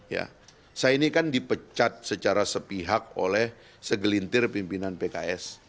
ya saya ini kan dipecat secara sepihak oleh segelintir pimpinan pks